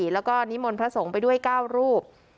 แล้วก็นิมนต์พระสงฆ์ไปด้วย๙รูป